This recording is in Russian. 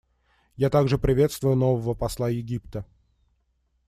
Я также приветствую нового посла Египта.